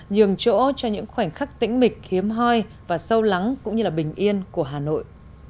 nhường chỗ cho những khoảnh khắc tĩnh hiếm hoi và sâu lắng cũng như là bình yên của hà nội